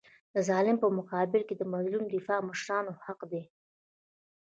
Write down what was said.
د ظالم په مقابل کي د مظلوم دفاع د مشرانو حق دی.